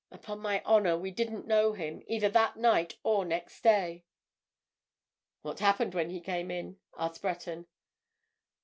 Upon my honour, we didn't know him, either that night or next day!" "What happened when he came in?" asked Breton.